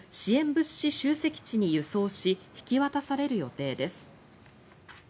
物資集積地に輸送し引き渡される予定です。